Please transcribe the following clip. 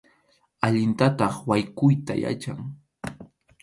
Allintataq waykʼuyta yachan.